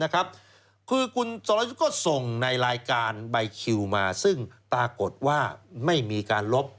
คือคุณสรยุทธ์ก็ส่งในรายการใบคิวมาซึ่งปรากฏว่าไม่มีการลบ